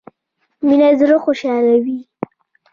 مينه زړه خوشحالوي